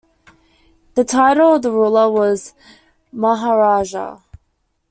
The title of the ruler was maharaja.